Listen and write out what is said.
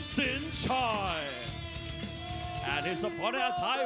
สวัสดีครับทุกคน